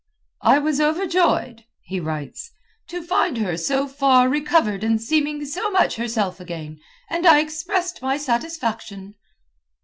"I was overjoyed," he writes, "to find her so far recovered, and seeming so much herself again, and I expressed my satisfaction."